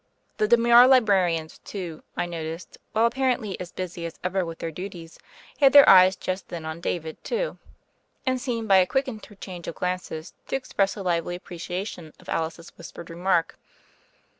The demure libra rians too, I noticed, while apparently as busy as ever with their duties, had their eyes just then on David, too; and seemed by a quick inter change of glances to express a lively apprecia tion of Alice's whispered remark.